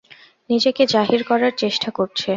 নিজেকে জাহির করার চেষ্টা করছে।